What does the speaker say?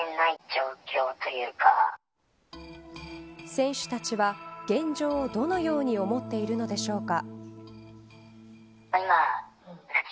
選手たちは、現状をどのように思っているのでしょうか。